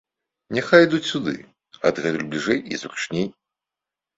Няхай ідуць сюды, адгэтуль бліжэй і зручней.